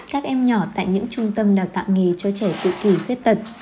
các em nhỏ tại những trung tâm đào tạo nghề cho trẻ tự kỳ khuyết tật